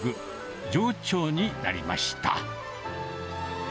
場長になりました。